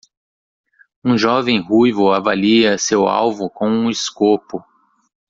Um jovem ruivo avalia seu alvo com um escopo.